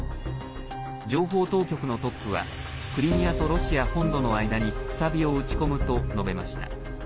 情報当局のトップはクリミアとロシア本土の間にくさびを打ちこむと述べました。